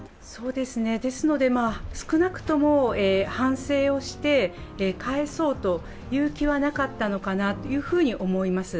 ですので、少なくとも反省をして返そうという気はなかったのかなと思います。